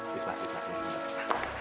bismillah bismillah bismillah